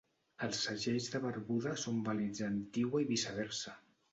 Els segells de Barbuda són vàlids a Antigua i viceversa.